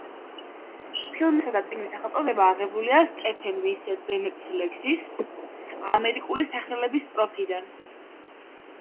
ფილმისა და წიგნის სახელწოდება აღებულია სტეფენ ვინსენტ ბენეტის ლექსის „ამერიკული სახელების“ სტროფიდან.